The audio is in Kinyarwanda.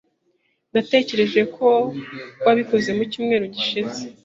Natekereje ko wabikoze mucyumweru gishize.